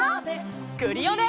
クリオネ！